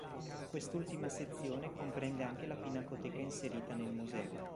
Quest'ultima sezione comprende anche la pinacoteca inserita nel museo.